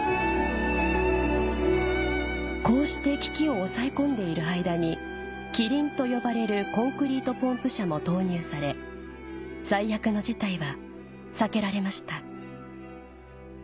こうして危機を抑え込んでいる間にキリンと呼ばれるコンクリートポンプ車も投入され最悪の事態は避けられました